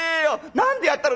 「何でやったの？」。